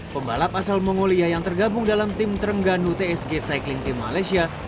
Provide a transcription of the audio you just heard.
pembalap asal mongolia yang tergabung dalam tim trengganu tsg cycling team malaysia